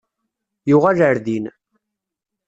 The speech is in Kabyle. Yuɣal ar din.